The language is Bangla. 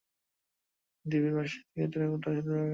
ঢিবির পাশে থেকে টেরাকোটা শিল্প পাওয়া গিয়েছে।